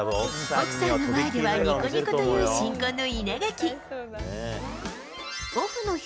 奥さんの前ではにこにこという新婚の稲垣。